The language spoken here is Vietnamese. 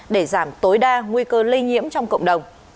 để giảm tối đa nguy cơ lây nhiễm trong cộng đồng